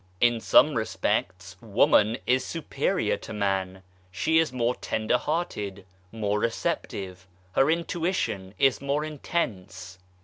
In some respects woman is superior to man. She is more tender hearted, more receptive, her intuition is more intense.